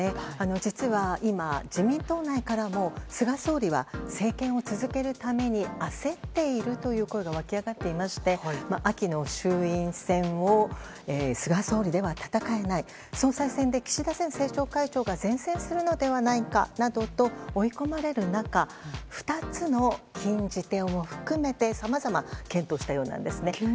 実は今、自民党内からも菅総理は政権を続けるために焦っているという声が湧き上がっていまして秋の衆院選を菅総理では戦えない総裁選で岸田前政調会長が善戦するのではないかなどと追い込まれる中２つの禁じ手を含めてさまざま検討したようなんです。